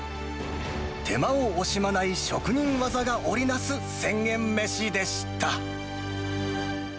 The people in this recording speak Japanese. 手間を惜しまない職人技が織りなす１０００円めしでした。